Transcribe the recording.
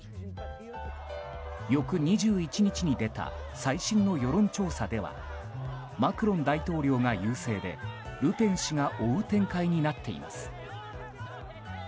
翌２１日に出た最新の世論調査ではマクロン大統領が優勢でルペン氏が追う展開になっています。